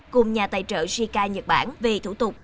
cùng nhà tài trợ shikai nhật bản về thủ tục